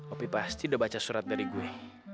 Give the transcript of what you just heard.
opi pasti udah baca surat dari gue